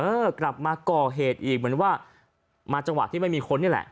กลับมาก่อเหตุอีกเหมือนว่ามาจังหวะที่ไม่มีคนนี่แหละ